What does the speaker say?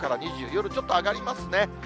夜ちょっと上がりますね。